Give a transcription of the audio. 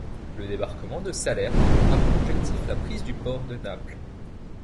Le débarquement de Salerne a pour objectif la prise du port de Naples.